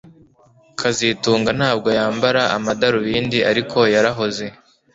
kazitunga ntabwo yambara amadarubindi ariko yarahoze